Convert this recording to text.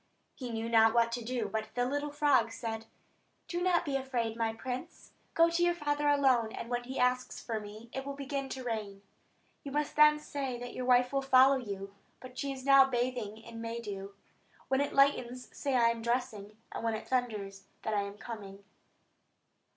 He knew not what to do; but the little frog said: "Do not be afraid, my prince. Go to your father alone; and when he asks for me, it will begin to rain. You must then say that your wife will follow you; but she is now bathing in May dew. When it lightens say that I am dressing; and when it thunders, that I am coming."